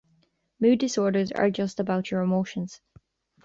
Mood disorders are just about your emotions.